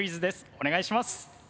お願いします。